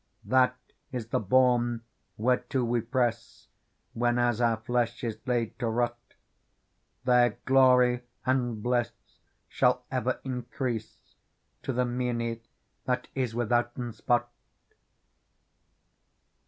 That is the bourn whereto we press, Whenas our flesh is laid to rot ; There glory and bliss shall ever increase To the meinie that is withouten spot."